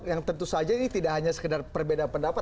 yang tentu saja ini tidak hanya sekedar perbedaan pendapat